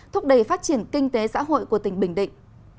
thúc đẩy phát triển kinh tế xã hội của tỉnh bình định